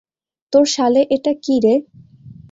তোর শালে এটা কী রে?